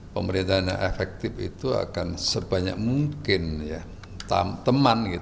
pemerintah yang efektif itu akan sebanyak mungkin teman